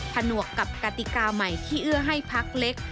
ผนวกกับกติกาใหม่ที่เอื้อให้พักเล็ก